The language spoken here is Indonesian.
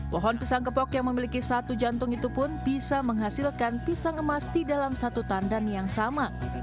pohon pisang kepok yang memiliki satu jantung itu pun bisa menghasilkan pisang emas di dalam satu tandan yang sama